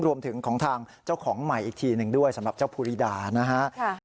รวมถึงของทางเจ้าของใหม่อีกทีหนึ่งด้วยสำหรับเจ้าภูริดานะฮะ